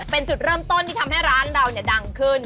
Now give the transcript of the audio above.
เป็นจุดเริ่มต้นที่ทำให้ร้านเราดังขึ้น